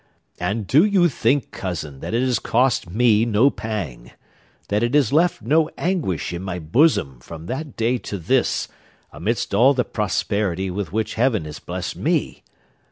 And do you think, cousin, that it has cost me no pang?—that it has left no anguish in my bosom, from that day to this, amidst all the prosperity with which Heaven has blessed me?